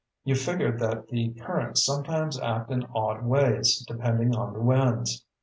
You figure that the currents sometimes act in odd ways, depending on the winds.